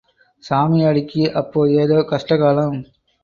சாமியாடிக்கு அப்போ ஏதோ கஷ்டகாலம்.